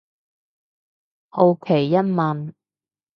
好奇一問